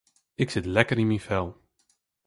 Ik sit lekker yn myn fel.